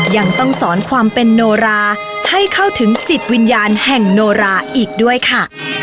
ยังต้องสอนความเป็นโนราให้เข้าถึงจิตวิญญาณแห่งโนราอีกด้วยค่ะ